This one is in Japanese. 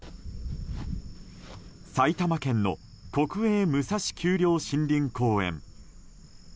埼玉県の国営武蔵丘陵森林公園。